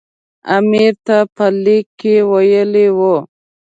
امیر ته په لیک کې ویلي وو.